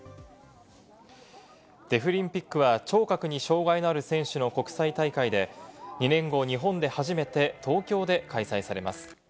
デフリンピックは聴覚に障害のある選手の国際大会で、２年後、日本で初めて東京で開催されます。